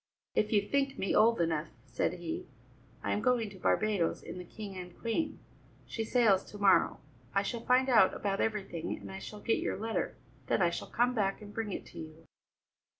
"If you think me old enough," said he, "I am going to Barbadoes in the King and Queen. She sails to morrow. I shall find out about everything, and I shall get your letter, then I shall come back and bring it to you."